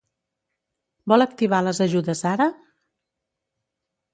Vol activar les ajudes ara?